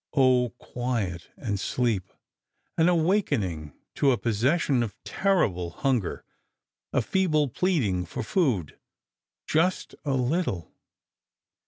Oh, quiet and sleep ... an awakening to a possession of terrible hunger—a feeble pleading for food ... just a little....